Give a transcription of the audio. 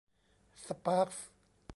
สปาร์คส์